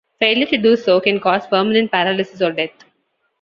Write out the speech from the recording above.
Failure to do so can cause permanent paralysis or death.